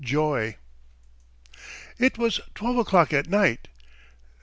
JOY IT was twelve o'clock at night.